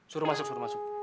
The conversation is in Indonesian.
suruh masuk suruh masuk